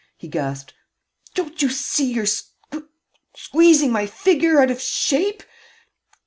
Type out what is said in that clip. he gasped. "Don't you see you are squ queezing my figure out of shape?